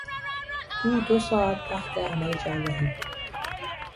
او دو ساعت تحت عمل جراحی بود.